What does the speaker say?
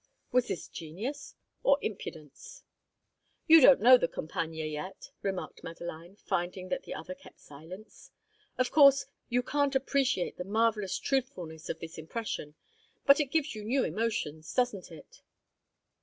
Was this genius, or impudence? "You don't know the Campagna, yet," remarked Madeline, finding that the other kept silence. "Of course, you can't appreciate the marvellous truthfulness of this impression; but it gives you new emotions, doesn't it?"